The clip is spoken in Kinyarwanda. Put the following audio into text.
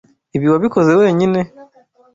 Ibi wabikoze wenyine?